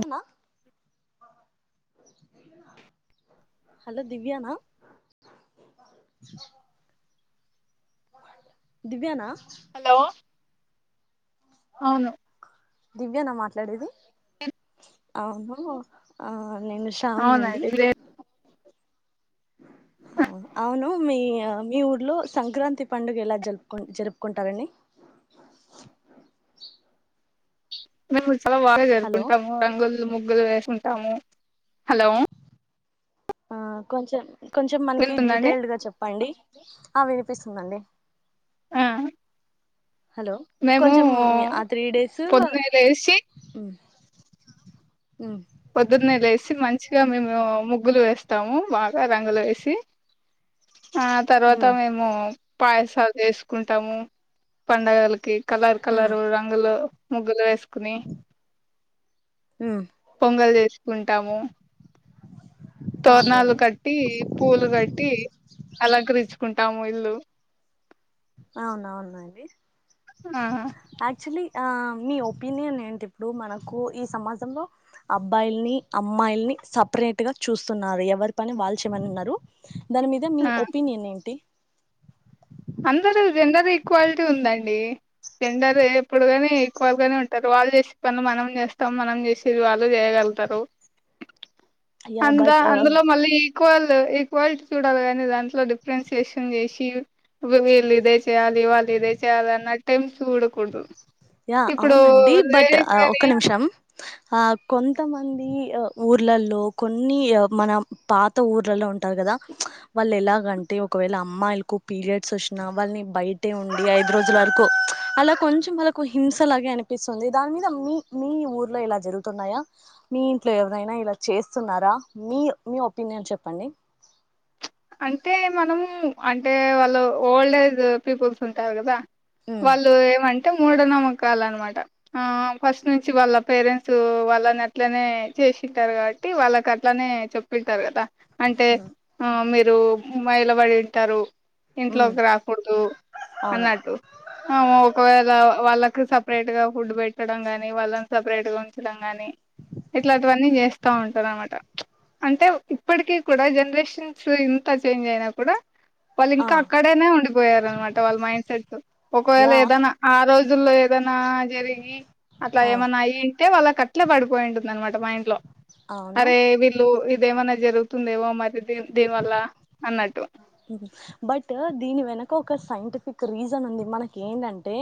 Uma hello Divya నా దివ్యా నా? Hello అవును దివ్య నా మాట్లాడేది అవును ఆ నేను శ్రావణి అండి అవునండి ఇదే అవును మీ మీ ఊర్లో సంక్రాంతి పండుగ ఎలా జరుపుకు జరుపుకుంటారండి. మేము చాలా బాగా హలో జరుపుకుంటాము రంగుల్ ముగ్గులు వేసుకుంటా టాము. హలో ఆ కొంచెం కొంచెం మనకి వింటుందండి డీటెయిల్డ్ గా చెప్పండి ఆ వి వినిపిస్తుందండి ఆ హలో మేము కొంచం ఆ త్రీ డేస్ పొద్దున్నే లేసి ఉమ్ పొద్దున్నెేలేసి మంచిగా మేము ముగ్గులు వేస్తాము బాగా రంగులు వేసి ఆ తర్వాత మేము పాయసాలు చేసుకుంటాము పండగల కి కలర్ కలరు రంగులు ముగ్గులు వేసి కుని పొంగల్ చేసుకున్ టాము తోరణాలు అవునులేండి కట్టి పూలు కట్టి అలంకరిచు కుంటాము ఇల్లు అవున్ అవునండి ఆ యాక్చల్లీ ఆ మీ ఒపీనియన్ ఏంటి ఇప్పుడు మనకు ఈ సమాజంలో అబ్బాయిల్ని అమ్మాయిల్ని సప్రేట్గా చూస్తున్నారు ఎవరి పని వాళ్ళు చేయమంటున్నారు దాని మీద మీ ఆ ఒపీనియన్ ఏంటి అందరూ జెండర్ ఈక్వాలిటీ ఉందండి. జెండర్ ఎప్పుడు కానే ఈక్వల్గానే ఉంటారు. వాళ్ళు చేసే పనులు మనం చేస్తాం మనం చేసేది వాళ్ళు చేయగలుగుతారు. యా అందా బట్ అందులో మళ్ళీ ఈక్వల్ సో ఈక్వాలిటీ చూడాల కానీ దాంట్లో డిఫరెన్సియేషన్ చేసి వీళ్ళు ఇదే చేయ్యాలి వాళ్ళు ఇదే చేయాలి అన్నట్టెం చూడకూడదు యా ఇప్పుడు అవునండి బట్ లేడీస్ ఆ ఒక్క గాని నిమిషం ఆ కొంతమంది ఊర్లలో కొన్ని మన పాత ఊర్లలో ఉంటారు కదా వాళ్ళు ఎలాగంటే ఒకవేళ అమ్మాయిలకు పీరియడ్స్ వచ్చినా వాళ్ళని బయటే ఉండి ఐదు రోజుల వరకు అలా కొంచెం వాళ్ళ కు హింసలాగే అనిపిస్తుంది దాని మీద మీ మీ ఊర్లో ఇలా జరుగుతున్నాయా మీ ఇంట్లో ఎవరైనా ఇలా చేస్తున్నారా మీ మీ ఒపీనియన్ చెప్పండి అంటే మనము అంటే వాళ్ళు ఓల్డ్ ఏజ్ పీపుల్స్ ఉంటారు కదా ఉమ్ వాళ్ళు ఏమం అంటే మూఢనమ్మకాలు అనమాట ఆ ఫస్ట్ నుంచి వాళ్ళ పేరెంట్ట్స్ వాళ్ళని అట్లనే చేసింటారు కాబట్టి వాళ్ళకి అట్లనే చెప్పింటారు కదా అంటే ఉమ్ ఆ రు మైలబడింటారు ఉమ్, ఇంట్లోకి రాకూడదు అవును అన్నట్టు ఆ ఒకవేళ వాళ్ళ కు సెపెరేట్గా ఫుడ్ పెట్టడం కానీ వాళ్ళను సెపెరేట్గా ఉంచడం కానీ ఇట్లాంటివని చేస్తంటారు అన్నమాట అంటే ఇప్పటికి కూడా జనరేషన్స్ ఇం త చేంజ్ అయినా కూడా వాళ్ళు ఆ ఇంకా అక్కడేనే ఉండిపోయారు అనమాట వాళ్ళ మైండ్ సెట్ ఒకవేళ యా ఏదైనా ఆ రోజ్ రోజుల్లో ఏదైనా జరిగి అట్లా ఆ ఏమన్నాయ్యింటే వాళ్ళకట్లే పడిపోయి ఉంటుంది అనమాట మైండ్లో అవును అరే వీళ్ళు ఇదేమన్నా జరుగుతుందేమో మరి దీ దీని వల్ల అన్నట్టు బట్ దీని వెనక ఒక సైంటిఫిక్ రీజన్ ఉంది మనకి ఏంటంటే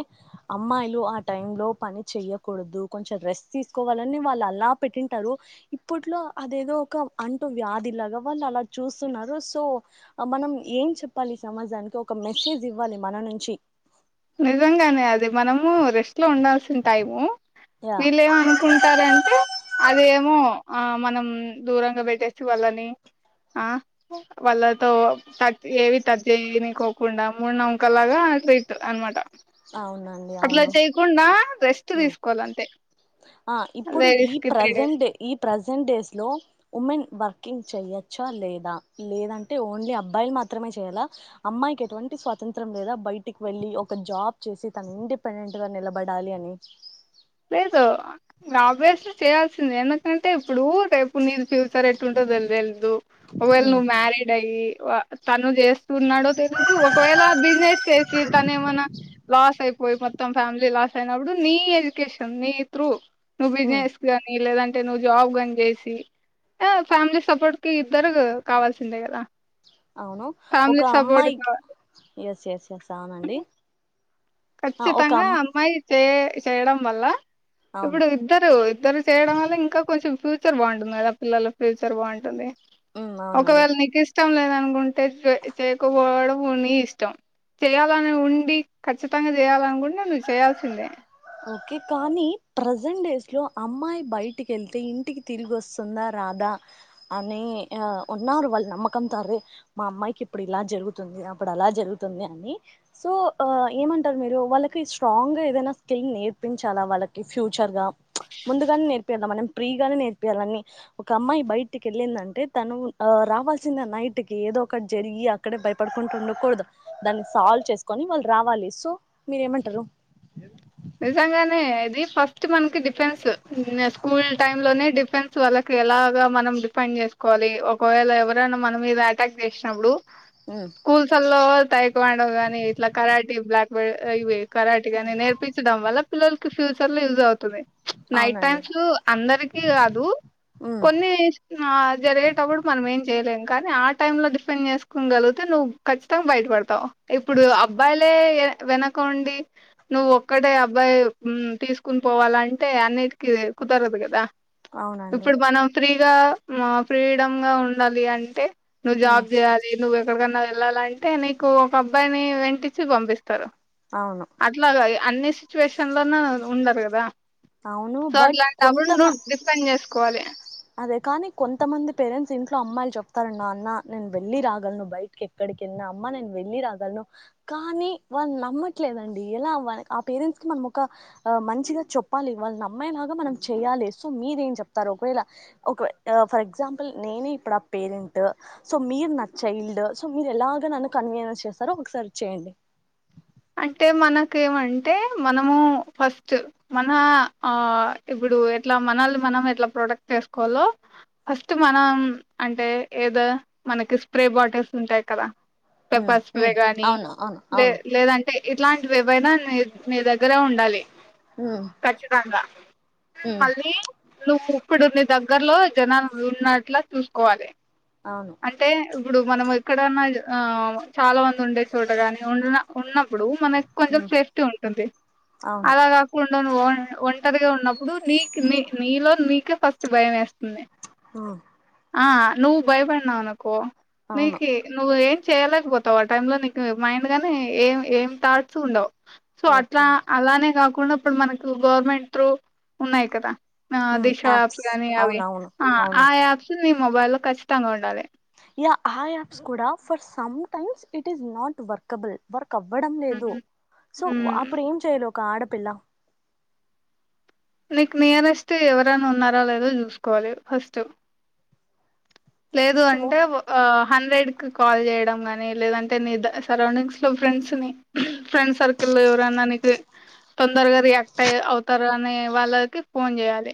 అమ్మాయిలు ఆ టైమ్ లో పని చెయ్యకూడదు కొంచెం రెస్ట్ తీసుకోవాలని వాళ్ళు అలా పెట్టింటారు ఇప్పుట్లో అదేదో ఒక అంటు వ్యాధిలాగా వాళ్ళు అలా చూస్తున్నారు సో మనం ఏం చెప్పాలి సమాజానికి ఒక మెసేజ్ ఇవ్వాలి మన నుంచి నిజంగానే అది మనము రెస్ స్లో ఉండాల్సిన టైము యా వెళ్ళేంమనుకుంటారంటే అదేమో ఆ మనం దూరంగా పెట్టేసి వాళ్ళని ఆ వాళ్ళతో టట్ ఏవి టట్ చేయనికోకుండా మూడు నమ్మకలాగా ట్రీట్ అన్ మట అట్లా చేయకుండా రెస్ ఉమ్ ఆ ఇప్పుడు ఈ లేడీస్ కి త్రీ డేస్ ప్రజెంట్డే ఈ ప్రజెంట్ డేస్ లో ఉమెన్ వర్కింగ్ చేయచ్చా లేదా లేదంటే ఓన్లీ అబ్బాయిలు మాత్రమే చేయ్యాలా అమ్మాయికి ఎటువంటి స్వాతంత్రం లేదా బయటికి వెళ్ళి ఒక జాబ్ చేసి తను ఇండిపెండెంట్గా నిలబడాలి అని [unintelligible] లేదు ఆబ్వియస్లీ చేయాల్సిందే ఎందుకంటే ఇప్పుడు రేపు నిన్ ఫ్యూచర్ ఎట్టు ఉంటుందో తెల్దు ఒక వేళ ఉమ్ నువ్వు మ్యారిడ్ అయి వా తను జేస్ ఉన్నాడో తెలీదు ఒకవేళ బిజినెస్ చేసి తను ఏమైన్నా లాస్ అయిపోయి మొత్తం ఫ్యామిలీ లాస్ లాసైనప్పుడు నీ ఎ డ్యుకేషన్ నీ త్రూ నువ్వు ఉమ్ బిజినెస్ కానీ లేదం టె నువ్వు జాబ్ గాని చేసి ఆ ఫ్యామిలీ సపోర్ట్ కి ఇద్దరు కావాల్సిందే కదా అవును ఒక ఫ్యామిలీ సపోర్ట్ అమ్మాయికి ఎస్ ఎస్ ఎస్ అవ్నండి కచ్చితాంగా అమ్మాయి చే ఇది చేయడం వల్ల అవును ఇప్పుడు ఇద్దరు ఇద్దరు చేయడం వల్ల ఇంకా కొంచెం ఫ్యూ ఫ్యూచర్ బాగుంటుంది కదా పిల్లల ఫ్యూచర్ బాగుంటుంది ఉమ్ అవునండి ఒకవేళ నీకు ఇస్ ఇష్టం లేదనుకుంటే చే చేయకపోవడం ని ఇష్టం చేయాలని ఉండి ఖచ్చితంగా చెయ్యాలి అనుకుంటే నువ్వు చేయాల్సిందే ఓకే కానీ ప్రజెంట్ డేస్ లో అమ్మాయి బయటికి వెళ్తే ఇంటికి తిరిగి వస్తుందా రాదా అని ఉన్నారు వాళ్ళు నమ్మకం తో అరే మా అమ్మాయికి ఇప్పుడు ఇలా జరుగుతుంది అప్పుడు అలా జరుగుతుంది అని సో ఏమంటారు మీరు వాళ్ళకి స్ట్రాంగ్గా ఏదైనా కిల్ నేర్పించాలా వాళ్ళకి ఫ్యూ చర్ గా ముందుగానే నేర్పియల మనిం ఫ్రీ గానే నేర్పియాలన్నిఒక అమ్మాయి బయటికి వెళ్ళిందంటే తను రావాల్సింద నైట్ కి ఏదో ఒకటి జరిగి అక్కడే భయపడుకుంటూ ఉండకూడదు దాన్ని సాల్వ్ చేసుకొని వాళ్ళు రావాలి సో మీరెమంటారు నిజంగానే ఇది ఫస్ట్ మనకి డిఫెన్స్ స్కూల్ టైమ్ లోనే డిఫెన్స్ వాళ్ళకి ఎలాగా మనం డిఫైండ్ చేసుకోవాలి ఒకవేళ ఎవరైనా మన మీద అటాక్ చేసినప్పుడు ఉమ్, స్కూల్స్ ల్లో టైకోవండో గని ఇట్లా కరాటిీ బ్లాక్ వే అయివే కారటిగానే నేర్పు వల్ల పిల్లలకి ఫ్యూచర్ యజ్ అవుతుంది నైట్ అవునండి టైమ్స్ అందరికి కాదు ఉమ్ కొన్ని జరిగేటప్పుడు మనం ఏం చేయలేం కానీ ఆ టై లో డిఫెండ్ చేసుకోగలిగితే నువ్వు ఖచ్చితంగా బయపడతావు ఇప్పుడు అబ్బాయిలే వెనక్ కోండి నువ్ ఒ ఒక్కటే అబ్బాయి ఉమ్ తీసుకుని పోవాలంటే అన్నిటికీ కుదరదు కదా అవునండి ఇప్పుడు బనం ఫ్రీ గా మా ఫ్రీడం గా ఉండాలి అంటే ఉమ్ నుజాబ్ జేయ్యాలి నువ్ ఎక్కడకన్నా వెళ్ళాలంటే నీకు ఒక అబ్బాయిని వెంటిచ్చి పంపిస్తారు అవును అట్లాగా ఇగ అన్ని సిచ్యువేషన్ లోను ఉండరు కదా అవును సో బట్ అట్లాంటి అప్పుడు ను్వు కొంతమ డిపెండ్ చేసుకోవాలి ది కానీ కొంతమంది పేరెంట్స్ ఇంట్లో అమ్మాయిలు చెప్తారు నా అన్న నేను వెళ్ళి రాగలను బయటకి ఎక్కడిలెళ్లిన అమ్మా నేను వెళ్లిి రాగలను కానీ వాళ్ళు నమ్మట్లేదండి ఎలా ఆ పేరెంట్స్ కి మనం ఒక మంచిగా చెప్పాలి వాళ్ళు నమ్మేలాగా మనం చెయాలి సో మీరెం ఏం చెప్తారు ఒకవేళ ఒక ఫర్ ఎగ్జాంపుల్ నేనే ఇప్పుడు ఆ పేరెంట్ సో మీరు నా చైల్డ్ సో మీరు ఎలాగ నన్ను కన్వీనియన్స్ చేస్తారో ఒకసారి చేయండి అంటే మనకేమంటే మనము ఫస్ట్ మన ఆ ఇప్పుడు ఎట్లా మనల్ మనం ఎట్లా ప్రొడక్ట్ చేసుకోవాలో ఫస్ట్ మనం అంటే ఏదో మనకి స్ప్రే బాటిల్స్ ఉంటాయి కదా ఉమ్ పెప్పర్ స్ప్రే ఉమ్ గాని అవును అవును లే అవును లేదం ఇట్లాంటివివైనా న నీ దగ్గర ఉండాలి ఉమ్ ఖచ్చితంగా ఉమ్ మళ్ళీ నువ్వు ఇప్పుడు నీ దగ్గర్లో జనాలు ఉన్నట్లా చూసుకోవాలి అవును అంటే ఇప్పుడు మనం ఎక్కడన్నా చాలా మంది ఉండే చోటగాని ఉ ఉన్న ఇప్పుడు మనకి కొంచెం ఉమ్ సేఫ్టీ ఉంటుంది అవును అలా కాకుండా నువ్వు ఒంటరిగా ఉ ప్పుడు నీ నీ నీలో నీకే ఫస్ట్ భయం వేస్తా ఆ ఆ నువ్వు భయపడినవనుకో అవును మీకి నువ్్వే చేయలేకపోతావు ఆ టై లో నీకు మైండ్ గాని ఏం ఏం థాట్స్ ఉండవు సో అట్లా ఓకే అలానే కాకుడా కున్నప్పుడు మనకు గవర్నమెంట్ త్రూ ఉన్నాయి కదా ఆ ఉమ్ దిశ యాప్స్ కానీ అవి అవునవును అ అవును ఆప్స్ మొబైల్ లో ఖచ్చితంగా ఉండాలి యా ఆ యాప్స్ కూడా for sometimes it is not workable work కవ్వడం హ్మ్ లేదు సో హ్మ్ అప్పుడు ఏం చేయలేం ఒక ఆడపిల్ల నీకు నియరెస్ట్ ఎవరైనా ఉన్నారో లేదో చూసుకోవాలి ఫస్ట్ లేదు సో అంటే ఒక హండ్రెడ్ కి కాల్ చేయడం గానీ లేదంటే నీ సరౌండింగ్స్ లో ఫ్రెండ్స్ ని ఫ్రెండ్ సర్కిల్ లో ఎవరైనా నీకు తొందరగా రియాక్ట్ అయి అవుతారు అనే వాళ్ళకి ఫోన్ చేయాలి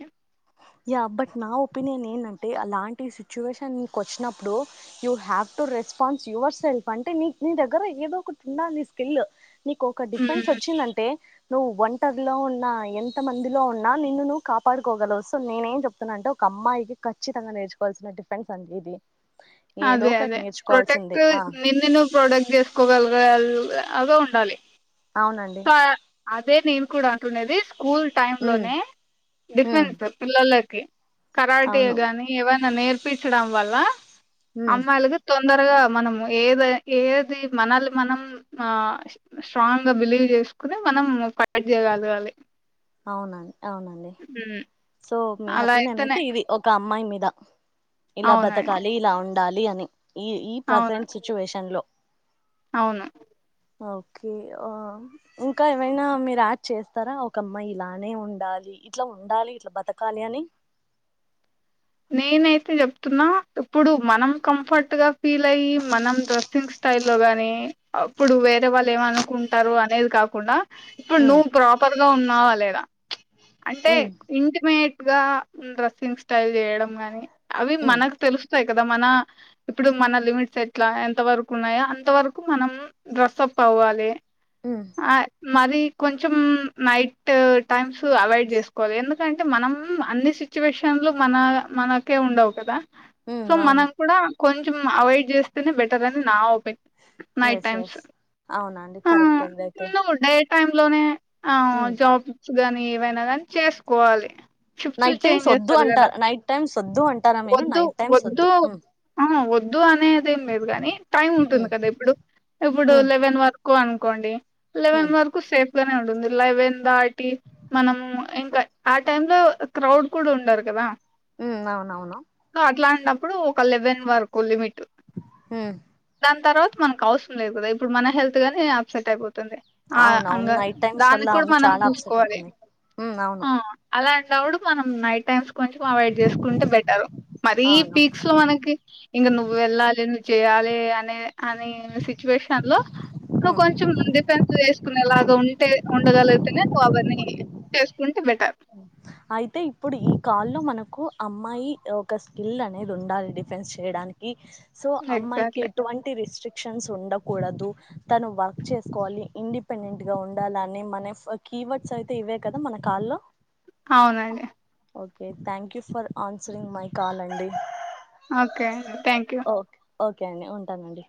యా బట్ నా ఒపీనియన్ ఏందంటే అలాంటి సిచ్యువేషన్ కు వచ్చినప్పుడు you have to response yourself అంటే నీ నీ దగ్గర ఏదో ఒకటి ఉండాలి నీ స్కిల్ నీకు ఒక డిఫన్స్ హ్మ్ వచ్చిందంటే నువ్వు ఒంటరిలో ఉన్నా ఎంత మందిలో ఉన్నా నిన్ను నువ్వు కాపాడుకోగలవు సో నేనేం చెప్తున్నా అంటే ఒక అమ్మాయికి ఖచ్చితంగా నేర్చువాల్సిన డిఫెన్స్ అండి ఇది ఏదో అదే ఒకటి అదే ప్రొటెక్ట్ నేర్చుకోవాల్సిందే ఆ నిన్నను ప్రొడక్ట్ చేసుకోగలిగా ఆ అవే ఉండాలి అవునండి ఆ అదే నిం కూడా అంటూనేది స్కూల్ టైమ్ ఉమ్ లోనే ఉమ్ డిఫెంట్ పిల్లలని కే అవును కరాటేగానీ ఏవన్నా నేర్పించడం వల్ల ఉమ్ అమ్మాయిలకు తోద్ తొందరగా మనం ఏదో ఏది మనల్ని మనం ఆహ్ స్ట్రాంగా బిలీవ్. చేసుకోని మనం పక్కకు జరగాలి. అవునండి అవునండి. సో మీ అలా ఒపీనియన్ అయితేనే అయితే ఇది ఒక. మై మీద. ఇలా అవునండి బ్రతకాలి ఇలా ఉన్. డాలి అని. ఈ ఈ అవును ప్రజెంట్ సిచువేషన్ లో. అవును. ఓకే ఆహ్ ఇంకా ఏమైనా మీరు యాడ్ చేస్తారా. ఒక అమ్మాయి ఇలానే ఉండాలి. ఇట్లా ఉండాలి. ఇట్లా బ్రతకాలి అని. నేనైతే చెప్తున్నా. ఇప్పుడు మనం కంఫర్ట్ గా ఫీల్ అయి మనం డ్రెస్సింగ్ స్టైల్ లో గాని అప్పుడు వేరే వాళ్ళు ఏమనుకుంటారు అనేది కాకుండా. ఇప్పుడు ఉమ్ నువ్వు ప్రాపర్. లో ఉన్నావా లేదా. ప్చ్ అంటే ఉమ్ ఇంటి మేడ్. ఆ డ్రెస్సింగ్ స్టైల్. చేయడం గాని. అవి ఉమ్ మనకు తెలుస్తాయి కదా మన. ఇప్పుడు మన లిమిట్స్ ఎట్లా ఎంత వరకు ఉన్నాయో అంత వరకు మనం డ్రెస్అప్ అవ్వాలి. ఉమ్ ఆహ్ మరి. కొంచెం నైట్ టైమ్స్ అవాయిడ్ చేసుకోవాలి. ఎందుకంటే మనం అన్ని సిచ్యువేషన్లో. మన మనకే ఉండవు కదా. ఉమ్ సో అవును మనం కూడా కొంచ్ ఉమ్మ్ అవాయిడ్ చేస్తేనే బెటర్ అని నా ఓప్ నైట్ ఎస్ టైమ్స్ ఎస్ అవునా అండి ఉహ్ కరెక్టే ఇదైతే చిన్నగా ఉండే. టైమ్ లోనే. ఆహ్ ఉమ్ జాబ్స్ వచ్చు గాని ఏవైనా గానీ. చేసుకోవాలి. షిఫ్ట్లు నైట్ టైమ్స్ చేంజ్ వద్దు చేస్తారు కదా అంటారు. నైట్ టైమ్స్ వద్దు అంటారా మీరు వద్దు నైట్ టైమ్స్ వద్దు ఉమ్ ఆహ్ వద్దు అనేదేం లేదు కానీ టైం ఉంటుంది ఉమ్ కదా ఇప్పుడు ఇప్పుడు ఉమ్ లెవెన్ వరకు. ఎక్కువ అనుకోండి. లెవెన్ ఉమ్ వరకు సేఫ్. గానే ఉంటుంది లెవెన్ దాటి మనము ఇంకా ఆ టైం లో క్రౌడ్ కూడా ఉండరు కదా. ఉ అవునవును నప్పుడు ఒక లెవెన్ వరకు లిమిట్ ఊ అన్ తర్వాత మనకు అవసరం లేదు కదా ఇప్పుడు మన హెల్త్ గానీ అప్సెట్ అయిపోతుంది. టంది ఆ అవునవును అంగ నైట్ టైమ్స్ దాన్ని వల్ల కూడా అవును మనం చాలా అప్సెట్ చూసుకోవాలి అవుతుంది ఉమ్ హ అవును అలా నువుడ్ మనం నైట్ టైమ్స్ అవాయిడ్ చేసుకుంటే బెటర్ మరీ అవును పీక్స్ మనకి ఇంక నువ్వు వెళ్ళాలని చెయాలి అనే అనే సిచ్యువేషన్ లో ఇప్పుడు కొంచెం డిఫెన్స్ చేసుకునేలాగా ఉంటే ఉండగలిగితేనే కోవన్నీని చేసుకుంటే బెటర్ అయితే ఇప్పుడు ఈ కా లో మనకు అమ్మాయి ఒక స్కిల్ అనేది ఉండాలి. డిఫెన్స్ చేయడానికి సో అమ్మాయికి ఎగ్జాక్ట్లీ ఎటువంటి రిస్టక్ షన్స్ ఉండకూడదు తను వర్క్ చేసుకోవాలి. ఇండిపెండెంట్ గా ఉండాలని మనఫ్ కీవర్డ్స్ అయితే ఇవే కదా మన కాల్లో. అవునండి okay thank you for answering my call అండి. Okay thank you okay okay అండి ఉంటానండి.